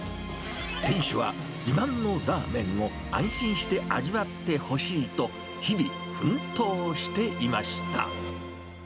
店主は、自慢のラーメンを安心して味わってほしいと、日々、奮闘していました。